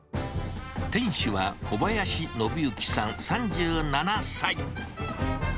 店主は小林信之さん３７歳。